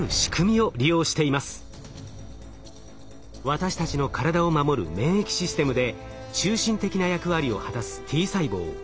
私たちの体を守る免疫システムで中心的な役割を果たすＴ細胞。